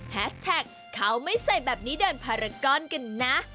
แท็กเขาไม่ใส่แบบนี้เดินพารากอนกันนะ